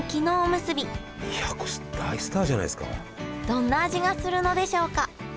どんな味がするのでしょうか？